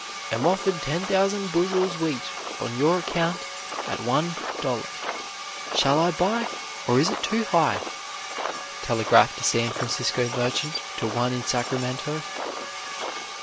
"Am offered 10,000 bushels wheat on your account at $1.00. Shall I buy, or is it too high?" telegraphed a San Francisco merchant to one in Sacramento.